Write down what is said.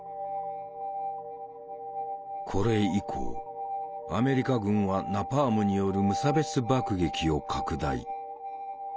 これ以降アメリカ軍はナパームによる無差別爆撃を拡大。